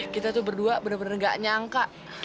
kita tuh berdua bener bener gak nyangka